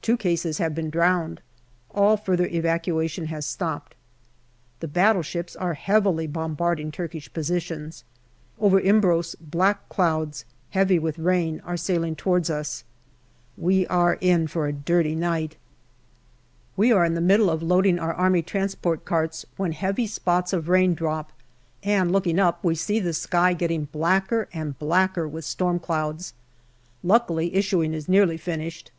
Two cases have been drowned. All further evacuation has stopped. The battleships are heavily bombarding Turkish positions. Over Imbros black clouds, heavy with rain, are sailing towards us. We are in for a dirty night. We are hi the middle of loading our A.T. carts when heavy spots of rain drop, and looking up, we see the sky getting blacker and blacker with storm clouds. Lucidly, issuing is nearly finished.